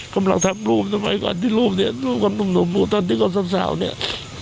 กำลังทำรูปสมัยก่อนที่รูปเนี่ยรูปกับหนุ่มตอนที่เขาสาวเนี่ย